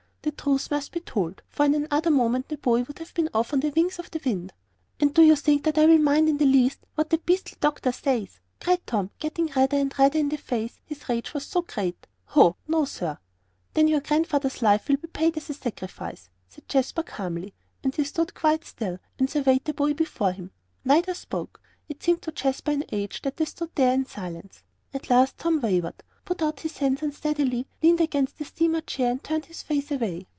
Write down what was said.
The truth must be told, for in another moment the boy would have been off on the wings of the wind. "And do you think that I will mind in the least what that beastly doctor says?" cried Tom, getting redder and redder in the face, his rage was so great. "Hoh! no, sir." "Then your Grandfather's life will be paid as a sacrifice," said Jasper calmly. And he stood quite still; and surveyed the boy before him. Neither spoke. It seemed to Jasper an age that they stood there in silence. At last Tom wavered, put out his hand unsteadily, leaned against a steamer chair, and turned his face away.